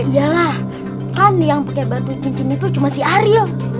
yalah kan yang pake batu cincin itu cuma si ariel